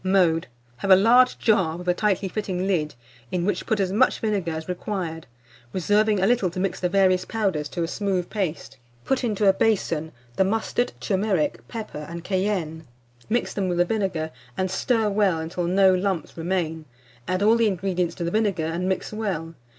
Mode. Have a large jar, with a tightly fitting lid, in which put as much vinegar as required, reserving a little to mix the various powders to a smooth paste. Put into a basin the mustard, turmeric, pepper, and cayenne; mix them with vinegar, and stir well until no lumps remain; add all the ingredients to the vinegar, and mix well.